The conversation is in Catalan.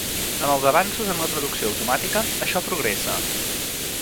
Amb els avanços en la traducció automàtica, això progressa.